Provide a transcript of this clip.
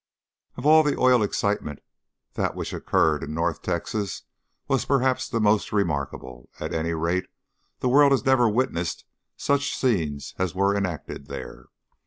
Of all the oil excitements, that which occurred in North Texas was perhaps the most remarkable; at any rate, the world has never witnessed such scenes as were enacted there.